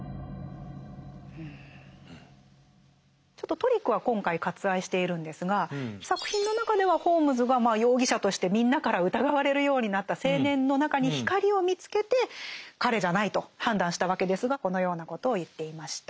ちょっとトリックは今回割愛しているんですが作品の中ではホームズが容疑者としてみんなから疑われるようになった青年の中に光を見つけて彼じゃないと判断したわけですがこのようなことを言っていました。